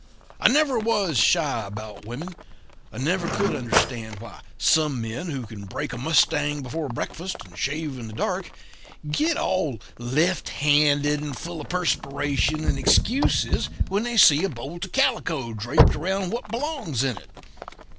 "I never was shy about women. I never could understand why some men who can break a mustang before breakfast and shave in the dark, get all left handed and full of perspiration and excuses when they see a bold of calico draped around what belongs to it.